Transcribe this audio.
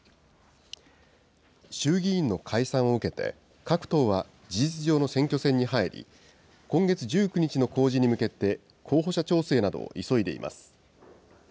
衆議院の解散を受けて、各党は事実上の選挙戦に入り、今月１９日の公示に向けて、候補者調整などを急いでいます。